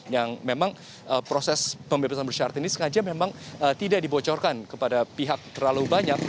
yang memang proses pembebasan bersyarat ini sengaja memang tidak dibocorkan kepada pihak terlalu banyak